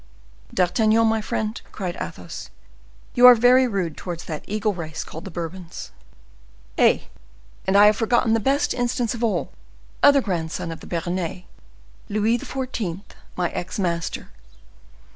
"D'Artagnan, my friend," cried Athos, "you are very rude towards that eagle race called the Bourbons." "Eh! and I have forgotten the best instance of all—the other grandson of the Bernais, Louis XIV., my ex master.